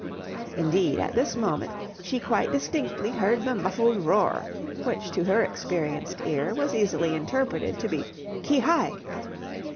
Indeed, at this moment, she quite distinctly heard the muffled roar which to her experienced ear was easily interpreted to be "Qui hi!"